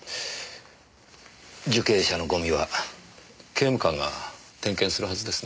受刑者のゴミは刑務官が点検するはずですね。